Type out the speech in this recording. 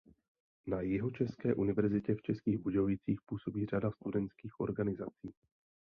Na Jihočeské univerzitě v Českých Budějovicích působí řada studentských organizací.